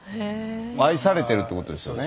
愛されてるってことですよね